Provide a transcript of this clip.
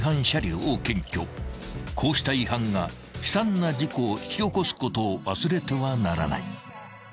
［こうした違反が悲惨な事故を引き起こすことを忘れてはならない］